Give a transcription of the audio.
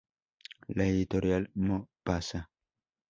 La Editorial Mo.Pa.Sa.